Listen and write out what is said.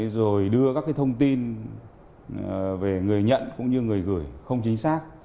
rồi đưa các thông tin về người nhận cũng như người gửi không chính xác